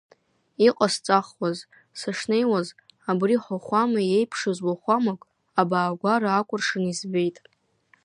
Иҟасҵахуаз, сышнеиуаз, абри ҳуахәама иеиԥшыз уахәамак, абаагәара акәыршаны избеит.